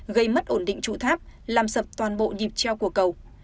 gây mất ổn định trụ tháp làm sập toàn bộ nhịp treo của cầu